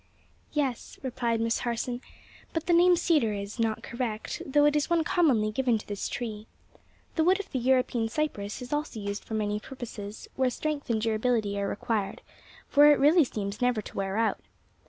"Yes," replied Miss Harson, "but the name 'cedar' is; not correct, though it is one commonly given to this tree. The wood of the European cypress is also used for many purposes where strength and durability are required, for it really seems never to wear out.